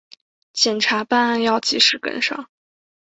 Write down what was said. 检察办案要及时跟上